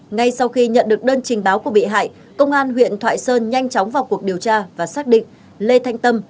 ngay sau khi nhận được đơn trình báo của bị hại công an huyện thoại sơn nhanh chóng vào cuộc điều tra và xác định lê thanh tâm